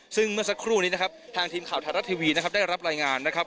ซึ่งเมื่อสักครู่นี้นะครับทางทีมข่าวไทยรัฐทีวีนะครับได้รับรายงานนะครับ